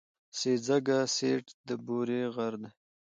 سېځگه سېبت د بوري غر دی.